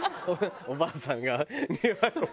おばあさんが庭の。